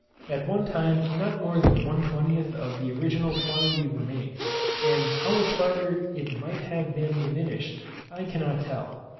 At one time not more than one twentieth of the original quantity remained, and how much farther it right have been diminished, I cannot tell.